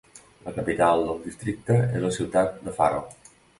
La capital del districte és la ciutat de Faro.